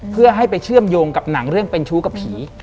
เพื่อให้ไปเชื่อมโยงกับหนังเรื่องเป็นชู้กับผี